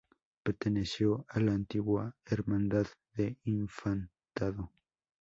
Perteneció a la antigua Hermandad de Infantado.